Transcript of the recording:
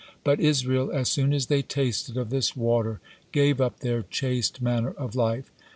But Israel, as soon as they tasted of this water, gave up their chaste manner of life.